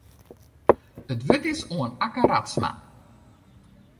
It wurd is oan Akke Radsma.